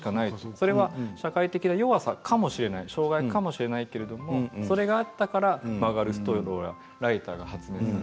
それは社会的弱さかもしれない障害かもしれないけどそれがあったから曲がるストローやライターが発明された。